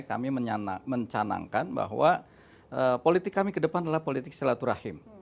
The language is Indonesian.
kami mencanangkan bahwa politik kami ke depan adalah politik silaturahim